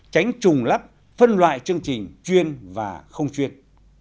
tránh trùng lắp phân loại chương trình chuyên và không chuyên